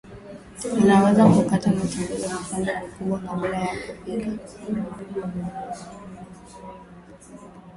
unaweza kukata matembele vipande vikubwa kabla ya kupika